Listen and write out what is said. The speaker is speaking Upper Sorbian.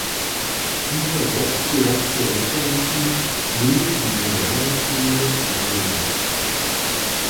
Hižo wobstejace wětrniki měli z modernišimi narunać.